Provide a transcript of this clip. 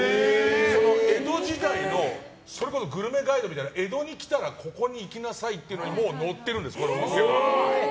その江戸時代のグルメガイドみたいな江戸に来たらここに行きなさいというのにも載ってるんです、この店。